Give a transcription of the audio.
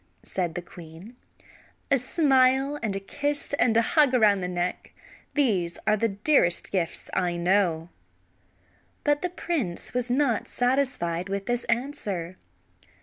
said the queen. "A smile and a kiss and a hug around the neck; these are the dearest gifts I know." But the prince was not satisfied with this answer.